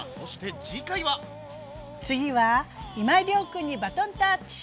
次は今井亮君にバトンタッチ。